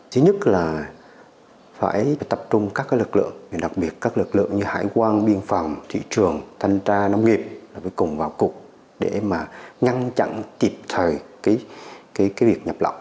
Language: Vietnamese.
thứ nhất là phải tập trung các lực lượng đặc biệt các lực lượng như hải quan biên phòng thị trường thanh tra nông nghiệp là phải cùng vào cục để ngăn chặn kịp thời việc nhập lọc